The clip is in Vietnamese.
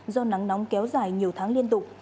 do nắng nóng kéo dài nhiều tháng liên tục